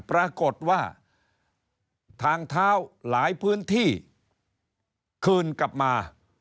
ปรากฏว่าทางเท้าหลายพื้นที่คืนกลับมา